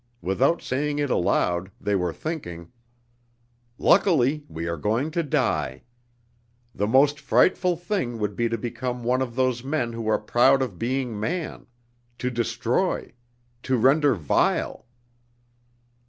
Without saying it aloud they were thinking: "Luckily we are going to die! The most frightful thing would be to become one of those men who are proud of being man to destroy, to render vile...."